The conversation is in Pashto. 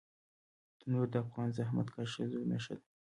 تنور د افغان زحمتکښ ښځو نښه ده